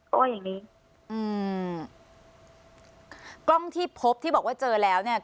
ก็ว่าอย่างงี้อืมกล้องที่พบที่บอกว่าเจอแล้วเนี่ย